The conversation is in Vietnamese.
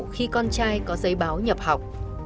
khi con trai có giấy báo nhập học